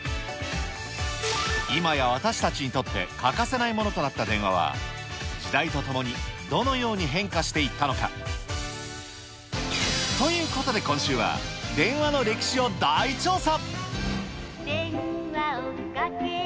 今や私たちにとって欠かせないものとなった電話は、時代とともにどのように変化していったのか。ということで今週は、電話の歴史を大調査。